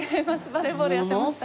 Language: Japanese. バレーボールやってました。